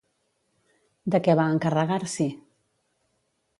De què va encarregar-s'hi?